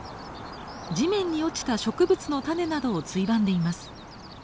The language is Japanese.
地面に落ちた植物の種などをついばんでいます。